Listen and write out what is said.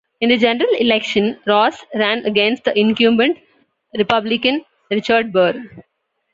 In the general election, Ross ran against the incumbent, Republican Richard Burr.